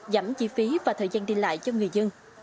giảm chi phí và thời gian đi lại cho người dân